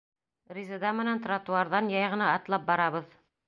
Резеда менән тротуарҙан яй ғына атлап барабыҙ.